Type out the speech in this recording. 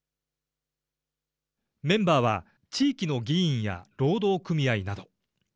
メンバーは、地域の議員や労働組合など。